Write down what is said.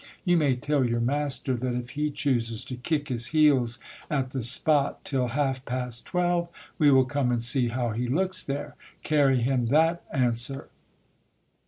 You may tell your master, that if he chooses to kick his heels at the spot till half past twelve, we will come and see how he looks there — carry him that answer.